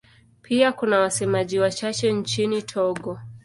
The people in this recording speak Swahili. Pia kuna wasemaji wachache nchini Togo.